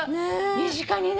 身近にね。